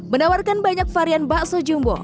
menawarkan banyak varian bakso jumbo